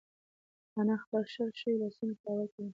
انا خپل شل شوي لاسونه په هوا کې ونیول.